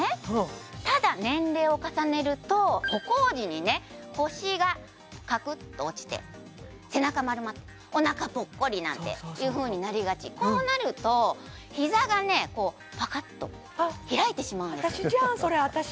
ただ年齢を重ねると歩行時に腰がカクッと落ちて背中丸まっておなかぽっこりなんていうふうになりがちこうなると膝がねパカッと開いてしまうんです私じゃんそれ私！